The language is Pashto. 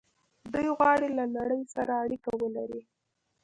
دوی غواړي له نړۍ سره اړیکه ولري.